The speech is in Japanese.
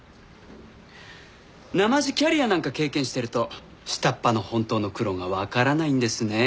なまじキャリアなんか経験してると下っ端の本当の苦労がわからないんですねえ。